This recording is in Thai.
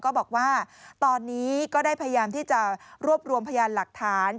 ก็บอกว่าตอนนี้ก็ได้พยายามที่จะรวบรวมพยานหลักฐาน